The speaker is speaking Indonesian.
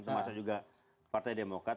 termasuk juga partai demokrat